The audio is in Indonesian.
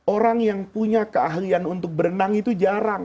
orang yang punya keahlian untuk berenang itu tidak bisa berenang